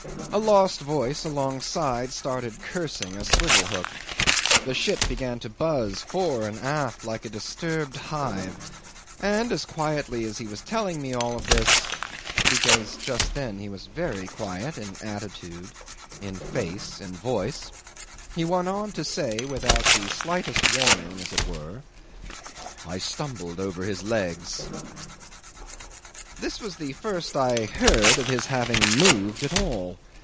A lost voice alongside started cursing a swivel hook. The ship began to buzz fore and aft like a disturbed hive, and, as quietly as he was telling me of all this because just then he was very quiet in attitude, in face, in voice he went on to say without the slightest warning as it were, "I stumbled over his legs." 'This was the first I heard of his having moved at all.